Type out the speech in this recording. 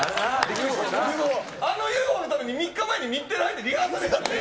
あのＵＦＯのために、３日前に日テレ入って、リハーサルやってる。